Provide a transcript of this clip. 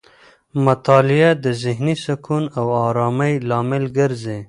مطالعه د ذهني سکون او آرامۍ لامل ګرځي.